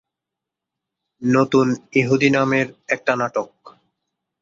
নতুন ইহুদি নামের একটা নাটক।